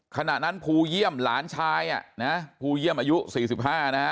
ขณะนั้นภูเยี่ยมหลานชายอ่ะนะฮะภูเยี่ยมอายุ๔๕นะฮะ